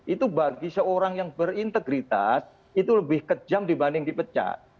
itu bagi seorang yang berintegritas itu lebih kejam dibanding dipecat